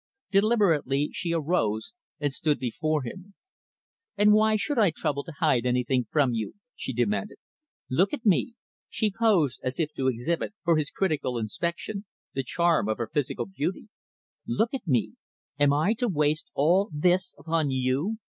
Deliberately, she arose and stood before him. "And why should I trouble to hide anything from you?" she demanded. "Look at me" she posed as if to exhibit for his critical inspection the charm of her physical beauty "Look at me; am I to waste all this upon you?